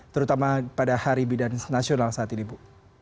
terutama pada hari bidan nasional saat ini bu